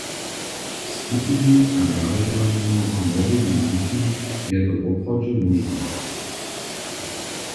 Z tutymi angažowanymi młodymi ludźimi je to woprawdźe móžne.